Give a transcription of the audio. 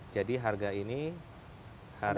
jadi harga ini harga